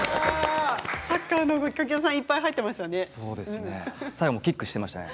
サッカーの動きいっぱい入っていましたね。